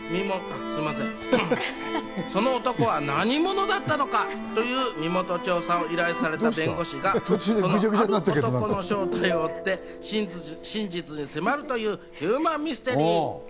あっ、すんません、その男は何者だったのかという身元調査を依頼された弁護士がその男の正体を追って真実に迫るというヒューマンミステリー。